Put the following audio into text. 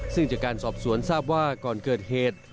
ซึ่งจากการสอบสวนทราบว่าก่อนเกิดเหตุ